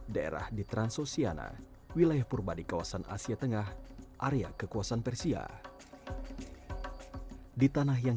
daerah di transosiana wilayah purba di kawasan asia tengah area kekuasaan persia di tanah yang